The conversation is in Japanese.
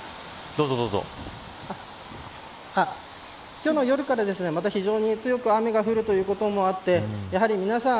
今日の夜から、また非常に強く雨が降るということもあってやはり皆さん